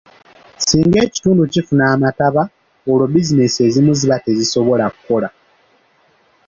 Singa ekitundu kifuna amataba olwo bizinensi ezimu ziba tezisobola kukola.